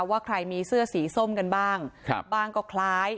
ว่าใครมีเสื้อสีส้มกันบ้างบ้างก็คล้าย